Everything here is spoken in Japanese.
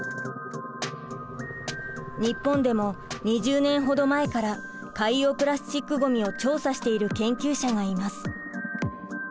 日本でも２０年ほど前から海洋プラスチックごみを調査している研究者がいます。